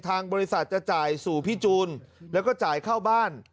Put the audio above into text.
ทางบริษัทจะจ่ายสู่พี่จูนแล้วก็จ่ายเข้าบ้าน